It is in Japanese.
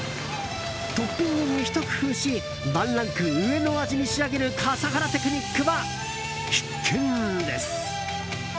トッピングにひと工夫しワンランク上の味に仕上げる笠原テクニックは必見です。